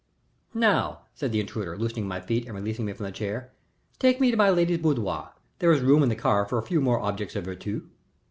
"Now," said the intruder, loosening my feet and releasing me from the chair, "take me to my lady's boudoir. There is room in the car for a few more objects of virtu."